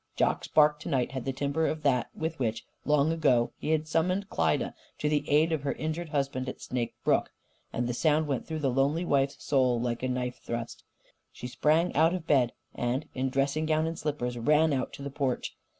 Jock's bark to night had the timbre of that with which, long ago, he had summoned Klyda to the aid of her injured husband at Snake Brook. And the sound went through the lonely wife's soul like a knife thrust. She sprang out of bed and, in dressing gown and slippers, ran out to the porch.